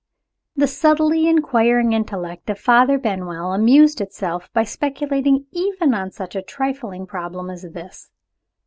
The subtly inquiring intellect of Father Benwell amused itself by speculating even on such a trifling problem as this.